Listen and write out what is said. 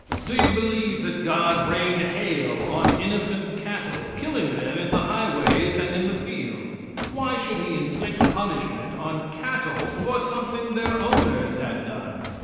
Do you believe that God rained hail on innocent cattle, killing them in the highways and in the field? Why should he inflict punishment on cattle for something their owners had done?